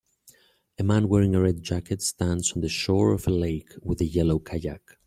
A man wearing a red jacket stands on the shore of a lake with a yellow kayak.